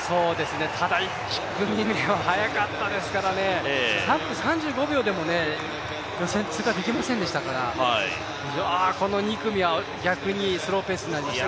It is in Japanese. ただ、１組目は速かったですから、３分３５秒でも予選通過できませんでしたからこの２組は逆にスローペースになりました。